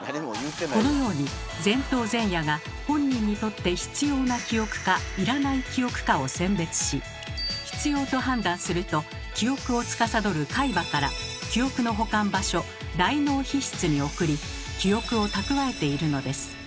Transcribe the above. このように前頭前野が本人にとって必要な記憶か要らない記憶かを選別し必要と判断すると記憶をつかさどる海馬から記憶の保管場所大脳皮質に送り記憶を蓄えているのです。